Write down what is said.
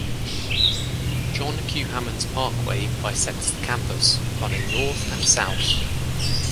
John Q. Hammons Parkway bisects the campus, running north and south.